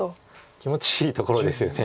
気持ちいいところですよね